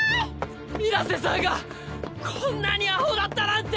水瀬さんがこんなにアホだったなんて！